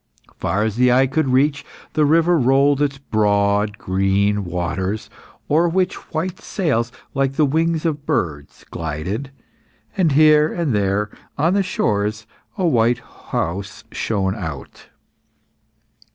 Far as the eye could reach, the river rolled its broad green waters o'er which white sails, like the wings of birds, glided, and here and there on the shores, a white house shone out.